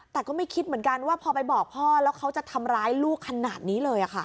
แต่ก็ไม่คิดเหมือนกันว่าพอไปบอกพ่อแล้วเขาจะทำร้ายลูกขนาดนี้เลยค่ะ